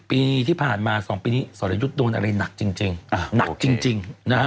ปีที่ผ่านมา๒ปีนี้สอริยุทธ์โดนอะไรหนักจริง